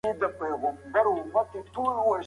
هغوی د ټولنیزو حقونو لرونکي دي.